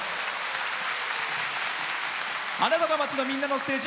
あなたの街の、みんなのステージ